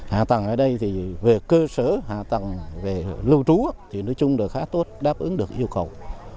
hạ tầng ở đây thì về cơ sở hạ tầng về lưu trú thì nói chung là khá tốt đáp ứng được yêu cầu